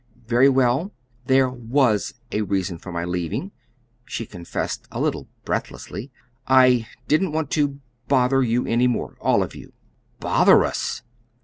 "Very well, there WAS a reason for my leaving," she confessed a little breathlessly. "I didn't want to bother you any more all of you." "Bother us!"